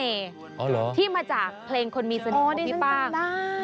อ๋อเหรออ๋อได้ฉันจำได้ที่มาจากเพลงคนมีเสน่ห์ของพี่ป้าง